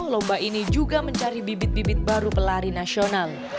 lomba ini juga mencari bibit bibit baru pelari nasional